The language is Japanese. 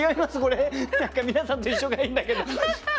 何か皆さんと一緒がいいんだけど。